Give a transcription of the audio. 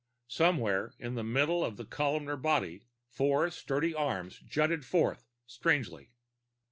Somewhere near the middle of the columnar body, four sturdy arms jutted forth strangely.